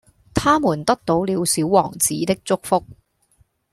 它們得到了小王子的祝福